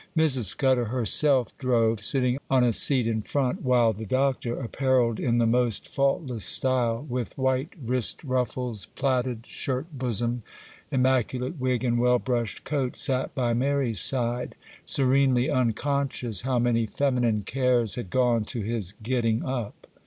Mrs. Scudder herself drove, sitting on a seat in front,—while the Doctor, apparelled in the most faultless style, with white wrist ruffles, plaited shirt bosom, immaculate wig, and well brushed coat, sat by Mary's side, serenely unconscious how many feminine cares had gone to his getting up.